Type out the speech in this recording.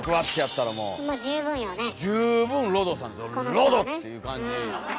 ロド！っていう感じ。